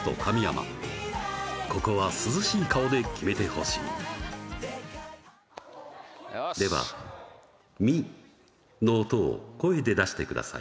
ここは涼しい顔で決めてほしいでは「ミ」の音を声で出してください